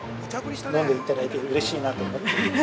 ◆飲んでいただいてうれしいなと思っている。